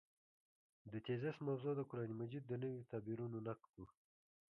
د تېزس موضوع د قران مجید د نویو تعبیرونو نقد و.